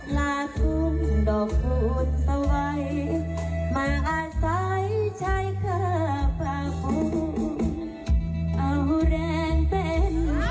ศาสตรีด้วยไปร้องเพลงคู่กับพี่สไตล์